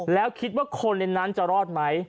แล้วคิดว่าคนในนั้นจะรอดไหม